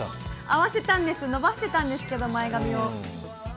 合わせたんです、前髪を伸ばしてたんですけど。